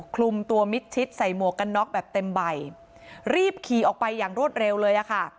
คลุมตัวมิดชิดใส่หมวกกันน็อกแบบเต็มใบรีบขี่ออกไปอย่างรวดเร็วเลยอะค่ะ